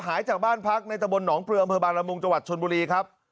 หายจากบ้านพักในตะบลหนองเปลืองพบละมุงจชนบุรีครับ